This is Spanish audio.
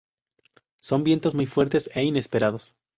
Son vientos muy fuertes e inesperados.